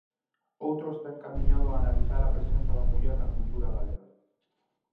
Outro está encamiñado a analizar a presenza da muller na cultura galega.